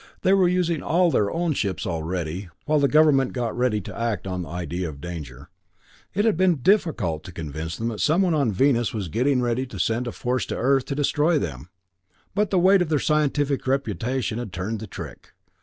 They were using all their own ships already, while the Government got ready to act on the idea of danger. It had been difficult to convince them that someone on Venus was getting ready to send a force to Earth to destroy them; but the weight of their scientific reputation had turned the trick.